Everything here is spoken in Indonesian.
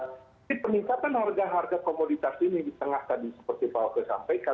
jadi peningkatan harga harga komoditas ini di tengah tadi seperti yang saya sampaikan